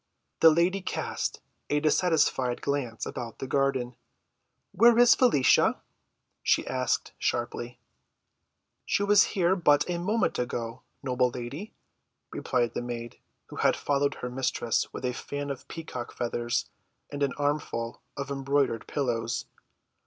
The lady cast a dissatisfied glance about the garden. "Where is Felicia?" she asked sharply. "She was here but a moment ago, noble lady," replied the maid, who had followed her mistress with a fan of peacock's feathers and an armful of embroidered pillows.